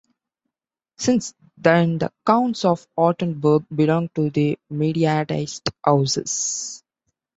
Since then the counts of Ortenburg belong to the Mediatized Houses.